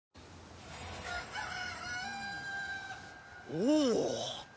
おお！